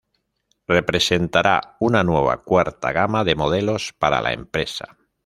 Representará una nueva cuarta gama de modelos para la empresa.